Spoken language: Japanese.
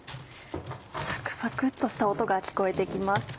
サクサクっとした音が聞こえて来ます。